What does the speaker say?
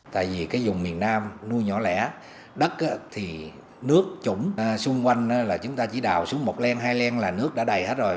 tại vì cái dùng miền nam nuôi nhỏ lẻ đất thì nước trủng xung quanh là chúng ta chỉ đào xuống một len hai len là nước đã đầy hết rồi